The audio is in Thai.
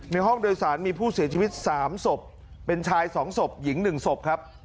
ห้องโดยสารมีผู้เสียชีวิต๓ศพเป็นชาย๒ศพหญิง๑ศพครับ